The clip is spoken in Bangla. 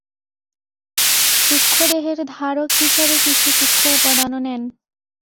সূক্ষ্ম-দেহের ধারক হিসাবে কিছু সূক্ষ্ম উপাদানও নেন।